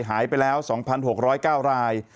หายไปแล้ว๒๖๐๙ราย